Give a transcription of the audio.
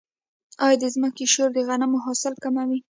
آیا د ځمکې شور د غنمو حاصل کموي؟